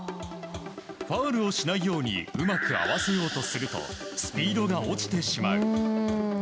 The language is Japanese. ファウルをしないようにうまく合わせようとするとスピードが落ちてしまう。